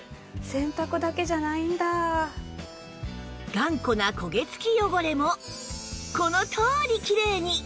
頑固な焦げ付き汚れもこの通りきれいに！